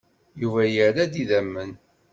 Yuba yerra-d idammen.